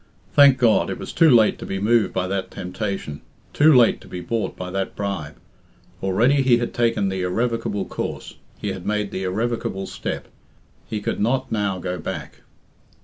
Thank God, it was too late to be moved by that temptation. Too late to be bought by that bribe. Already he had taken the irrevocable course, he had made the irrevocable step. He could not now go back.